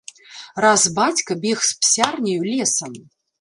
Раз бацька бег з псярняю лесам.